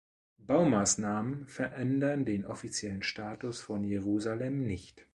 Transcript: Baumaßnahmen verändern den offiziellen Status von Jerusalem nicht.